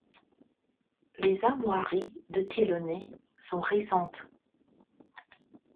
Les armoiries de Tillenay sont récentes.